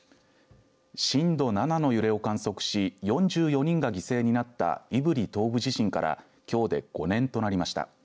震度７の揺れを観測し４４人が犠牲になった胆振東部地震からきょうで５年となりました。